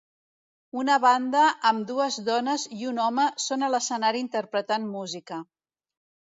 Una banda amb dues dones i un home són a l'escenari interpretant música.